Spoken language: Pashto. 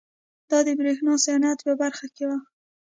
دا د برېښنا صنعت په برخه کې وه.